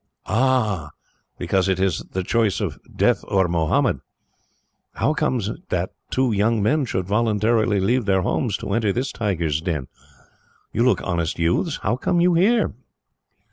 "Ah! Because it is the choice of 'death or Mohammed.' How comes it that two young men should voluntarily leave their homes to enter this tiger's den? You look honest youths. How come you here?"